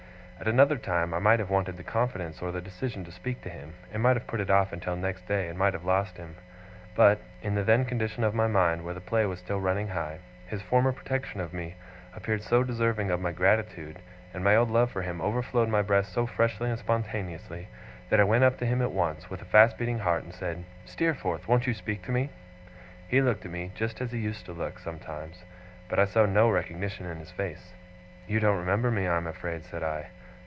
At another time I might have wanted the confidence or the decision to speak to him, and might have put it off until next day, and might have lost him. But, in the then condition of my mind, where the play was still running high, his former protection of me appeared so deserving of my gratitude, and my old love for him overflowed my breast so freshly and spontaneously, that I went up to him at once, with a fast beating heart, and said: 'Steerforth! won't you speak to me?' He looked at me just as he used to look, sometimes but I saw no recognition in his face. 'You don't remember me, I am afraid,' said I.